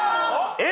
えっ！？